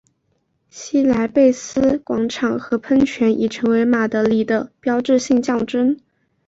西贝莱斯广场和喷泉已成为马德里的标志性象征。